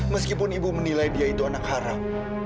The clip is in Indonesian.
meskipun ibu menilai dia itu anak haram